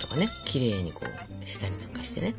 きれいにこうしたりなんかしてね。